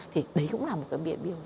thì đấy cũng là một cái biện biểu